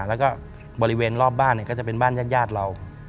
แล้วก็บริเวณรอบบ้านก็จะเป็นบ้านญาติเรา